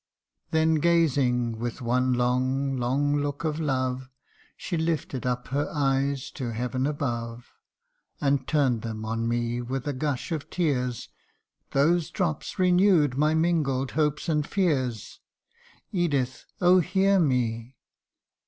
Then gazing with one long, long look of love, She lifted up her eyes to heaven above, And turned them on me with a gush of tears : Those drops renew'd my mingled hopes and fears. ' Edith ! oh ! hear me